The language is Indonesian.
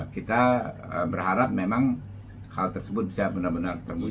kita berharap memang hal tersebut bisa benar benar terwujud